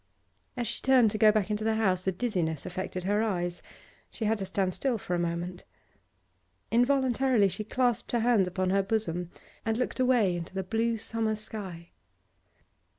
As she turned to go back to the house a dizziness affected her eyes; she had to stand still for a moment. Involuntarily she clasped her hands upon her bosom and looked away into the blue summer sky.